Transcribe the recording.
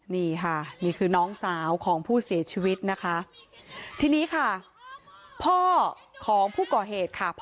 นี่ค่ะนี่คือน้องสาวของผู้เสียชีวิตนะคะทีนี้ค่ะพ่อของผู้ก่อเหตุค่ะ